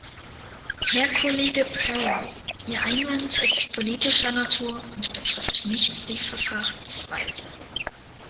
Herr Kollege Perry, Ihr Einwand ist politischer Natur und betrifft nicht die Verfahrensweise.